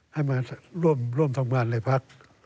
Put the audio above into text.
ให้มาร่วมทำงานในพัก